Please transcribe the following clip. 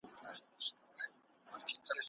پروجېسټیرون د حیض په دوره کې بدلون کوي.